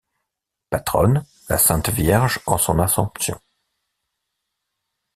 Patronne, la sainte Vierge en son Assomption.